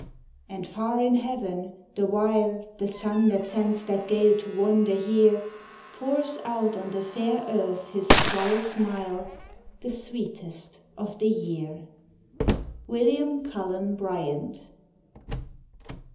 And far in heaven, the while, The sun, that sends that gale to wander here, Pours out on the fair earth his quiet smile— The sweetest of the year. —William Cullen Bryant.